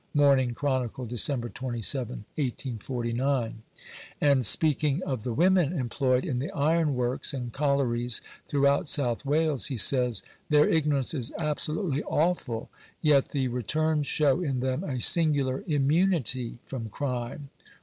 — Morning Chronicle, Dec. 27, 1849. And, speaking of the women employed in the iron works and collieries throughout South Wales, he says —" their ignorance is absolutely awful ; yet the returns show in them a singular immunity from crime."